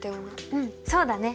うんそうだね。